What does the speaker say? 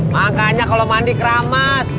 makanya kalau mandi keramas